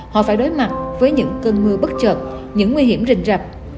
họ phải đối mặt với những cơn mưa bất trợt những nguy hiểm rình rập